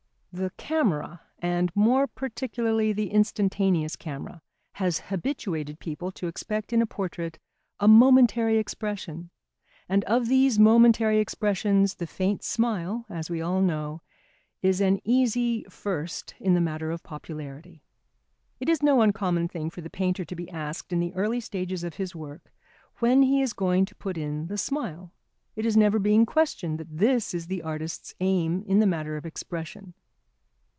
] The camera, and more particularly the instantaneous camera, has habituated people to expect in a portrait a momentary expression, and of these momentary expressions the faint smile, as we all know, is an easy first in the matter of popularity. It is no uncommon thing for the painter to be asked in the early stages of his work when he is going to put in the smile, it never being questioned that this is the artist's aim in the matter of expression.